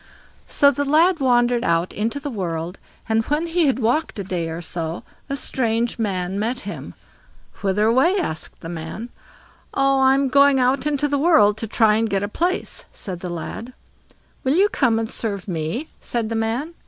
So the lad wandered out into the world, and when he had walked a day or so, a strange man met him. "Whither away?" asked the man. "Oh, I'm going out into the world to try and get a place", said the lad. "Will you come and serve me?" said the man.